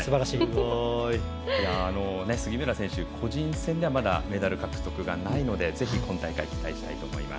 杉村選手、個人戦ではまだメダル獲得がないので今大会、期待したいと思います。